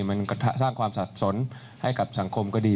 มันก็สร้างความสับสนให้กับสังคมก็ดี